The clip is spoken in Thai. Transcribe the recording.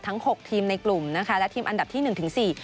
ทั้ง๖ทีมในกลุ่มนะคะและทีมอันดับที่๑๔